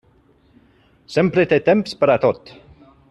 Sempre té temps per a tot.